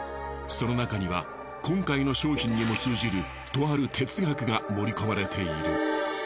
そのなかには今回の商品にも通じるとある哲学が盛り込まれている。